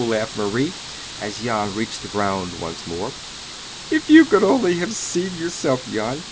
laughed Marie, as Jan reached the ground once more. "If you could only have seen yourself, Jan!